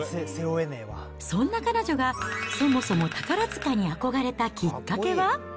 そんな彼女が、そもそも宝塚に憧れたきっかけは。